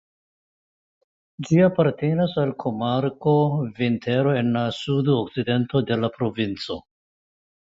Ĝi apartenas al komarko "Tierra del Vino" (Vintero) en la sudokcidento de la provinco.